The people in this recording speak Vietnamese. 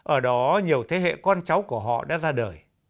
ở đó nhiều thế hệ con cháu của họ đã ra đời